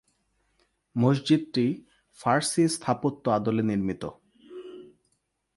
মসজিদটি ফার্সি স্থাপত্য আদলে নির্মিত।